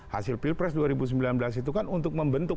hasil pilpres dua ribu sembilan belas itu kan untuk membentuk